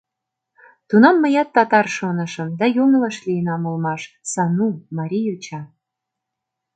— Тунам мыят татар шонышым, да йоҥылыш лийынам улмаш: Сану — марий йоча.